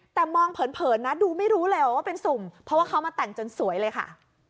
แต่มองเผินนะดูไม่รู้เลยว่าเป็นสุ่มเพราะว่าเขามาแต่งจนสวยเลยค่ะ